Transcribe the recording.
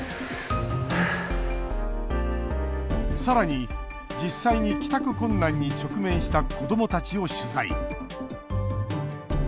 さらに、実際に帰宅困難に直面した子どもたちを取材。